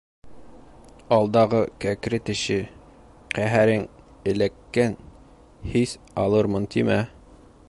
Алдағы кәкре теше, ҡәһәрең, эләккән, һис алырмын тимә!